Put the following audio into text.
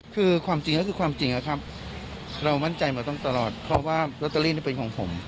คือความจริงก็คือความจริงนะครับเรามั่นใจมาต้องตลอดเพราะว่าลอตเตอรี่นี่เป็นของผม